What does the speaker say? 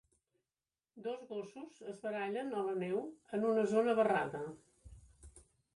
Dos gossos es barallen a la neu en una zona barrada.